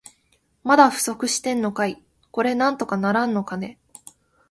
まだ不足してんのかい。これなんとかならんのかね。